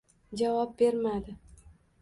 Javob bermadi.